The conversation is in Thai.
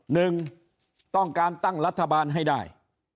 หนึ่งต้องการตั้งรัฐบาลให้ได้